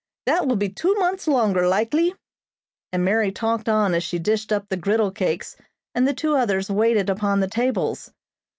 That will be two months longer, likely," and Mary talked on as she dished up the griddle cakes and the two others waited upon the tables.